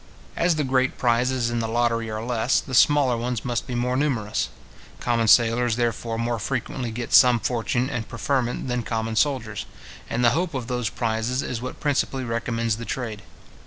As the great prizes in the lottery are less, the smaller ones must be more numerous. Common sailors, therefore, more frequently get some fortune and preferment than common soldiers; and the hope of those prizes is what principally recommends the trade.